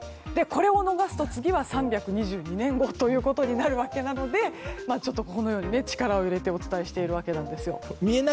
これを逃すと次は３２２年後ということになるわけなのでちょっと力を入れてお伝えしているわけです。